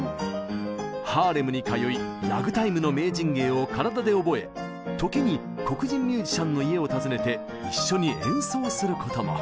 ハーレムに通いラグタイムの名人芸を体で覚え時に黒人ミュージシャンの家を訪ねて一緒に演奏することも。